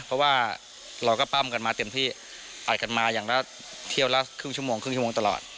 เพราะว่าเราก็ปั้มกันมาเต็มที่อัดกันมาอย่างละเที่ยวละครึ่งชั่วโมงครึ่งชั่วโมงตลอด